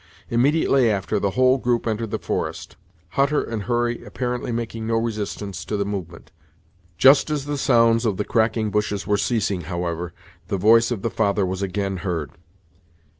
Immediately after, the whole group entered the forest, Hutter and Hurry apparently making no resistance to the movement. Just as the sounds of the cracking bushes were ceasing, however, the voice of the father was again heard.